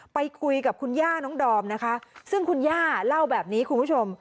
ไปคุยกับคุณย่าน้องดอมนะคะซึ่งคุณย่าเล่าแบบนี้คุณผู้ชม